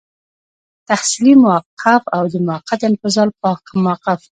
تحصیلي موقف او د موقت انفصال موقف.